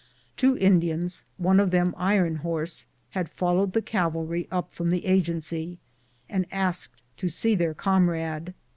Two Indians, one of them Iron Horse, had followed the cavalry up from the Agency and asked to see their comrade.